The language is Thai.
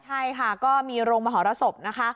ใช่ค่ะก็มีโรงมหรสบนะคะ